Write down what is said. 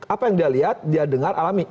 apa yang dia lihat dia dengar alami